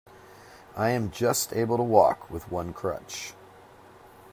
I am just able to walk with one crutch.